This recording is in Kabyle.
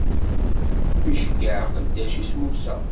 Iceyyeɛ aqeddac-is, Musa.